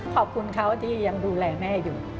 ขอบคุณเขาที่ยังดูแลแม่อยู่